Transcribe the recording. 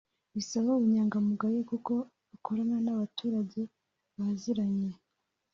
bisaba ubunyangamugayo kuko rukorana n’abaturage baziranye